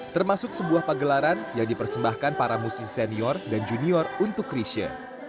termasuk sebuah pagelaran yang dipersembahkan para musisi senior dan junior untuk krisha